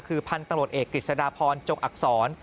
คือพันธุ์ตำรวจเอกกฤษฎาพรจงอักษร